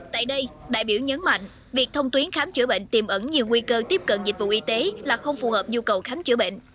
tại đây đại biểu nhấn mạnh việc thông tuyến khám chữa bệnh tiềm ẩn nhiều nguy cơ tiếp cận dịch vụ y tế là không phù hợp nhu cầu khám chữa bệnh